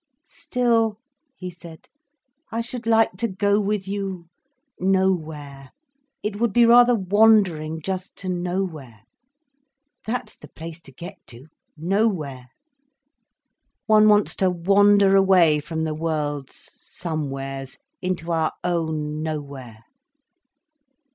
"Still," he said, "I should like to go with you—nowhere. It would be rather wandering just to nowhere. That's the place to get to—nowhere. One wants to wander away from the world's somewheres, into our own nowhere."